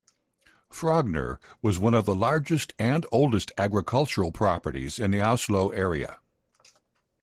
Frogner was one of the largest and oldest agricultural properties in the Oslo area.